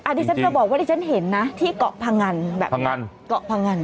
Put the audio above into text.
อ่ะที่ฉันเพิ่งบอกว่าที่ฉันเห็นนะที่เกาะพังอันแบบนี้เกาะพังอัน